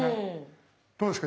どうですか？